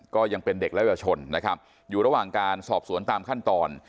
ก็ยังเป็นเด็กและเยาวชนนะครับอยู่ระหว่างการสอบสวนตามขั้นตอน